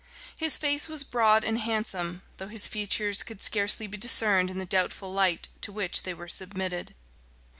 His face was broad and handsome, though his features could scarcely be discerned in the doubtful light to which they were submitted.